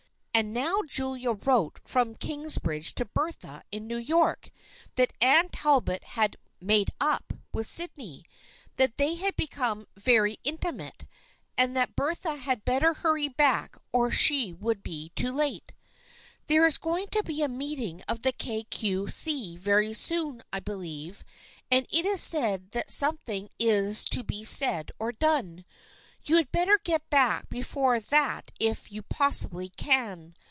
And now Julia wrote from Kingsbridge to Bertha in New York that Anne Talbot had " made up " with Sydney. That they had become " very inti mate," and that Bertha had better hurry back or she would be too late. " There is going to be a meeting of the Kay Cue See very soon, I believe, and it is said that some thing is to be said or done. You had better get back before that if you possibly can.